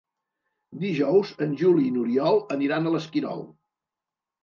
Dijous en Juli i n'Oriol aniran a l'Esquirol.